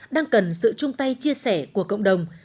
đang cần sự chung tay chia sẻ của cộng đồng